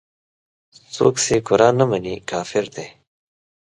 څوک چې قران نه مني کافر دی.